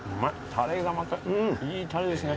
タレがまたいいタレですね。